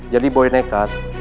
jadi boy nekat